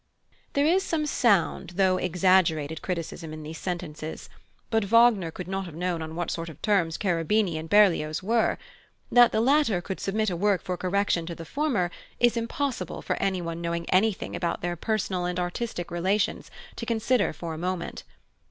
There is some sound though exaggerated criticism in these sentences; but Wagner could not have known on what sort of terms Cherubini and Berlioz were. That the latter could submit a work for correction to the former is impossible for anyone knowing anything about their personal and artistic relations to consider for a moment.